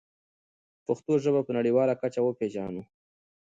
پښتو ژبه په نړیواله کچه وپېژنو.